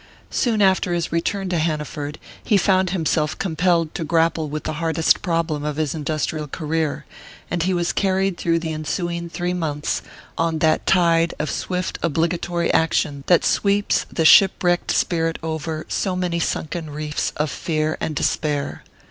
Soon after his return to Hanaford he found himself compelled to grapple with the hardest problem of his industrial career, and he was carried through the ensuing three months on that tide of swift obligatory action that sweeps the ship wrecked spirit over so many sunken reefs of fear and despair.